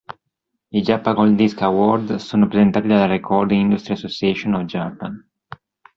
I Japan Gold Disc Award sono presentati dalla Recording Industry Association of Japan.